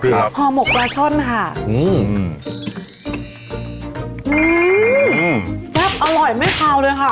อื้ออออนี่